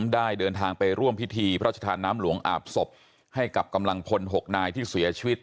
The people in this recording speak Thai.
ได้เดินทางไปร่วมพิธีพระราชทานน้ำหลวงอาบศพให้กับกำลังพล๖นายที่เสียชีวิต